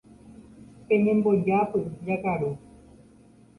Peñembojápy jakaru.